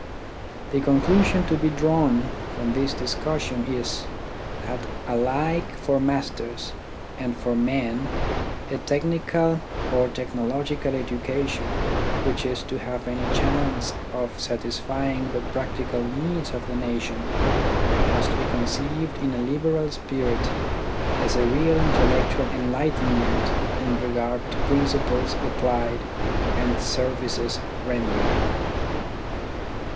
The conclusion to be drawn from this discus sion is, that alike for masters and for men a technical or technological education, which is to have any chance of satisfying the practical needs of the nation, must be conceived in a liberal spirit as a real intellectual enlightenment in regard to principles applied and services rendered.